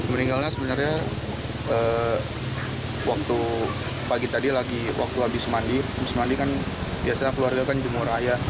meninggalnya sebenarnya waktu pagi tadi lagi waktu habis mandi habis mandi kan biasanya keluarga kan jemur ayah